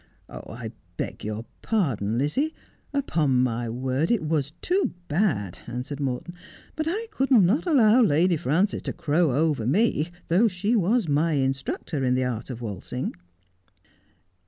' I beg your pardon, Lizzie, upon my word it was too bad,' answered Morton, ' but I could not allow Lady Frances to crow over me, though she was my instructor in the art of waltzing.'